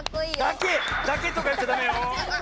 だけ！だけとかいっちゃダメよ！